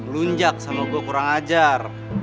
lunjak sama gue kurang ajar